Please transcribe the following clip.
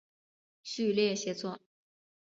序列写作。